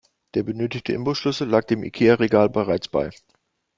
Der benötigte Imbusschlüssel lag dem Ikea-Regal bereits bei.